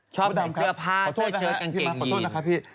ชอบใส่เสื้อผ้าเสื้อเชิดกางเกงยีนพี่มันขอโทษนะครับพี่